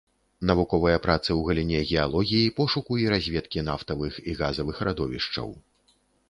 Навуковыя працы ў галіне геалогіі, пошуку і разведкі нафтавых і газавых радовішчаў.